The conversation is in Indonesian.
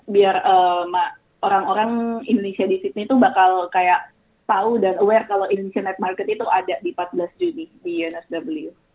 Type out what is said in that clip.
biar orang orang indonesia di sydney tuh bakal kayak tau dan aware kalau indonesia net market itu ada di empat belas juni di unsw